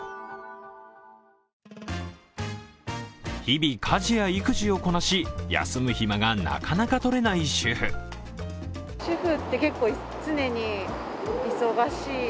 日々、家事や育児をこなし休む暇がなかなかとれない主婦。